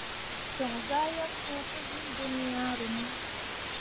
Mo joŋ zah yeb fee pǝ syil dunyaru ne ?